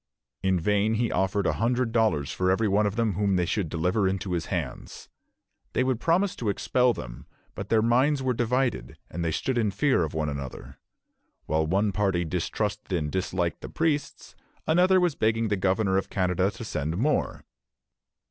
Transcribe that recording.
" In vain he offered a hundred dollars for every one of them whom they should deliver into his hands. They would promise to expel them; but their minds were divided, and they stood in fear of one another. While one party distrusted and disliked the priests, another was begging the governor of Canada to send more.